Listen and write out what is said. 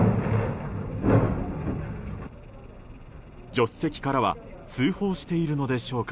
助手席からは通報しているのでしょうか。